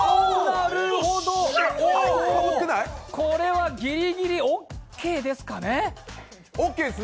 これはギリギリオーケーですかね？